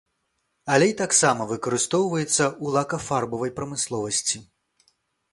Алей таксама выкарыстоўваецца ў лакафарбавай прамысловасці.